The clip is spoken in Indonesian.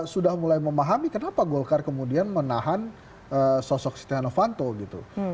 sudah mulai memahami kenapa golkar kemudian menahan sosok setia novanto gitu